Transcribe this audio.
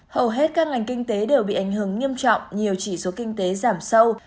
hầu hết các ngành kinh tế đều bị ảnh hưởng nghiêm trọng nhiều chỉ số kinh tế giảm sâu